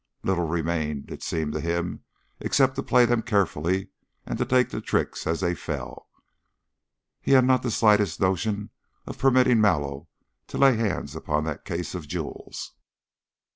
Little remained, it seemed to him, except to play them carefully and to take the tricks as they fell. He had not the slightest notion of permitting Mallow to lay hands upon that case of jewels.